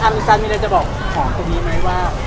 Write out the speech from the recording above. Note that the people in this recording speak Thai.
อมีศานมีอะไรจะบอกตรงนี้ไหมว่า